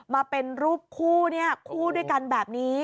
มาเป็นรูปคู่เนี่ยคู่ด้วยกันแบบนี้